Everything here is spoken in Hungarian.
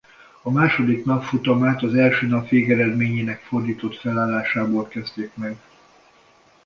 A második nap futamát az első nap végeredményének fordított felállásából kezdték meg.